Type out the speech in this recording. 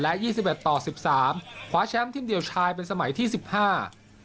และยี่สิบเอ็ดต่อสิบสามคว้าแชมป์ทีมเดี่ยวชายเป็นสมัยที่สิบห้า